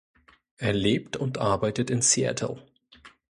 Er lebt und arbeitet in Seattle.